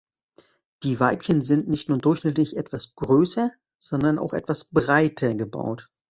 Die Weibchen sind nicht nur durchschnittlich etwas größer, sondern auch etwas "breiter" gebaut.